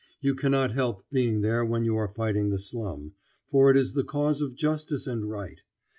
You cannot help being there when you are fighting the slum, for it is the cause of justice and right.